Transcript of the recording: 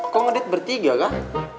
kok ngedate bertiga kah